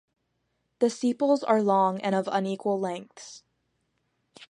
The sepals are long and of unequal lengths.